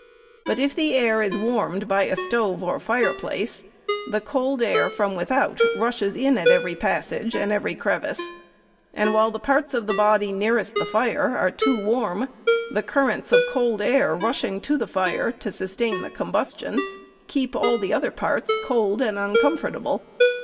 But if the room is warmed by a stove or fireplace, the cold air from without rushes in at every passage and every crevice, and while the parts of the body nearest the fire are too warm, the currents of cold air rushing to the fire to sustain the combustion keep all the other parts cold and uncomfortable.